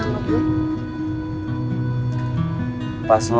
emangnya lo sejak kapan sesuka sama gue